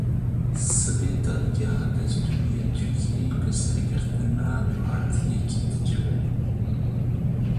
Sibê Dadgeha Destûrî ya Tirkiyeyê li ser girtina partiyekê dicive.